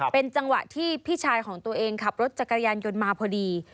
เป็นจังหวะที่พี่ชายของตัวเองขับรถจักรยานยนต์มาพอดี